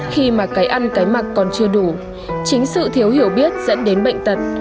khi mà cái ăn cái mặc còn chưa đủ chính sự thiếu hiểu biết dẫn đến bệnh tật